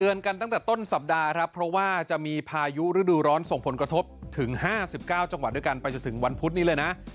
กันตั้งแต่ต้นสัปดาห์ครับเพราะว่าจะมีพายุฤดูร้อนส่งผลกระทบถึง๕๙จังหวัดด้วยกันไปจนถึงวันพุธนี้เลยนะ